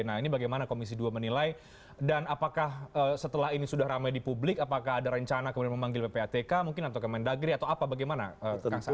nah ini bagaimana komisi dua menilai dan apakah setelah ini sudah ramai di publik apakah ada rencana kemudian memanggil ppatk mungkin atau kemendagri atau apa bagaimana kang saan